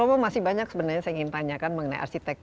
apa suaranya sem tidy itu perlike diri orang orang tersebut